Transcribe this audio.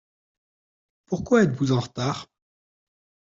Pourquoi êtes-vous en retard ?